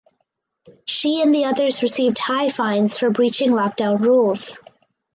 She and the others received high fines for breaching lockdown rules.